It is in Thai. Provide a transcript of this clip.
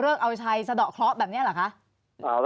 เอาชัยสะดอกเคราะห์แบบนี้เหรอคะ